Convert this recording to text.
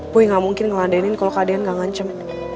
boy gak mungkin ngeladenin kalau kak dian gak ngancem